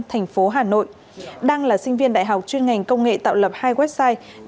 thành phố hà nội đang là sinh viên đại học chuyên ngành công nghệ tạo lập hai website